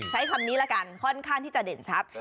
ใช้คำนี้ละกันค่อนข้างที่จะเด่นชัด